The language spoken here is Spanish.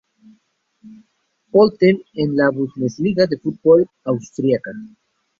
Pölten en la Bundesliga de fútbol austriaca.